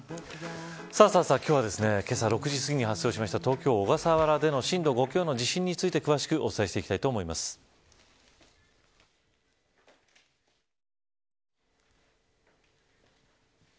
今日は、けさ６時すぎに発生した東京、小笠原での震度５強の地震について詳しくお伝えしていきます。